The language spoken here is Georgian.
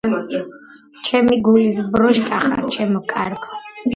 ჩემი გულის ბროშკვა ხარ ჩემო კარგო